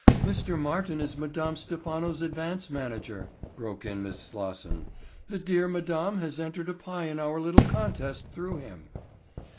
"Mr. Martin is Madame Stephano's advance manager," broke in Miss Slosson. "The dear madame has entered a pie in our little contest through him."